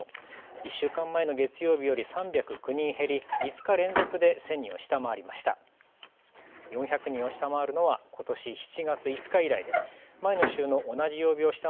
１週間前の月曜日より３０９人減り、５日連続で１０００人を下回りました。